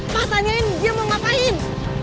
pak tanyain dia mau ngapain